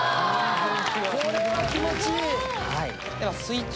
これは気持ちいい！